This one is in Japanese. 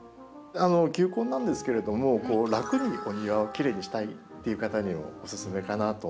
球根なんですけれども楽にお庭をきれいにしたいっていう方にもおすすめかなと思うんですね。